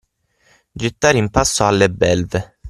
Gettare in pasto alle belve.